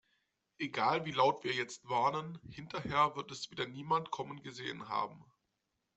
Egal wie laut wir jetzt warnen, hinterher wird es wieder niemand kommen gesehen haben.